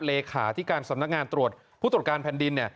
เลขาที่การสำนักงานตรวจผู้ตรวจการแผ่นดิน